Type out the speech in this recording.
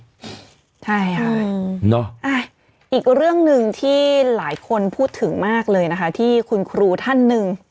ใช่ค่ะอีกเรื่องหนึ่งที่หลายคนพูดถึงมากเลยนะคะที่คุณครูท่านหนึ่ง